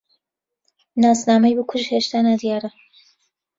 ناسنامەی بکوژ هێشتا نادیارە.